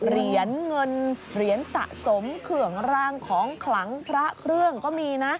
เหรียญเงินเหรียญสะสมเครื่องรางของขลังพระเครื่องก็มีนะ